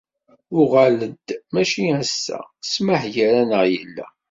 Uɣal-d mačci ass-a, ssmeḥ gar-aneɣ yella.